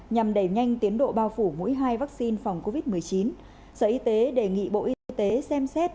nhằm đẩy nhanh tiến độ bao phủ mũi hai vaccine phòng covid một mươi chín sở y tế đề nghị bộ y tế xem xét